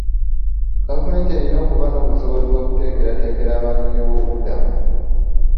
Gavumenti erina okuba n'obusobozi okuteekerateekera abanoonyiboobubudamu.